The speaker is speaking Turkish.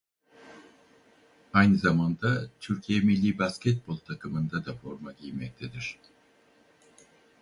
Aynı zamanda Türkiye millî basketbol takımı'nda da forma giymektedir.